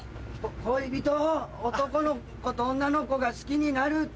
恋人男の子と女の子が好きになるっていう